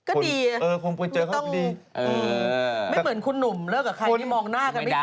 ก็ดีอ่ะไม่ต้องไม่เหมือนคุณหนุ่มเลิกกับใครมองหน้ากันไม่ติดเลย